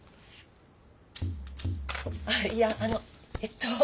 あいやあのえっと。